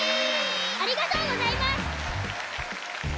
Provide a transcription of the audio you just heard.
ありがとうございます！